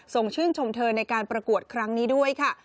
ชื่นชมเธอในการประกวดครั้งนี้ด้วยค่ะ